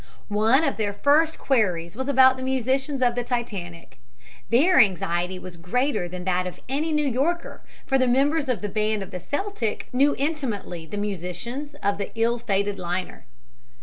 One of their first queries was about the musicians of the Titanic. Their anxiety was greater than that of any New Yorker, for the members of the band of the Celtic knew intimately the musicians of the ill fated liner.